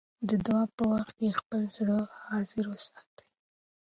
د دعا په وخت کې خپل زړه حاضر وساتئ.